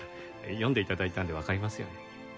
読んで頂いたのでわかりますよね。